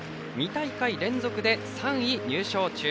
２大会連続で３位入賞中。